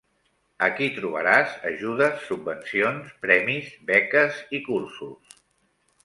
Aquí trobaràs ajudes, subvencions, premis, beques i cursos.